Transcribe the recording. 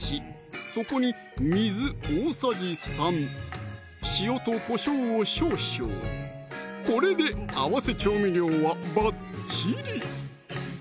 そこに水大さじ３塩とこしょうを少々これで合わせ調味料はばっちり！